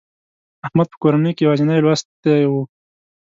احمد په کورنۍ کې یوازینی لوستي و.